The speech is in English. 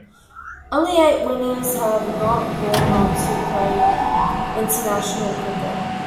Only eight winners have not gone on to play international cricket.